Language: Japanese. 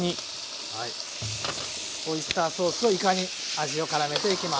オイスターソースをいかに味を絡めていきます。